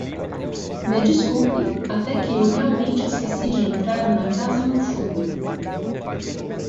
Me desculpe, até que eu realmente esqueci de entrar na casa no fundo.